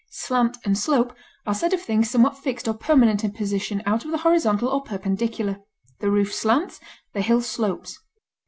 Slant and slope are said of things somewhat fixed or permanent in a position out of the horizontal or perpendicular; the roof slants, the hill slopes.